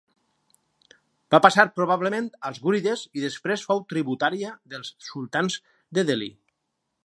Va passar probablement als gúrides i després fou tributària dels sultans de Delhi.